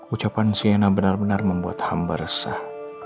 ucapan siena benar benar membuat hamba resah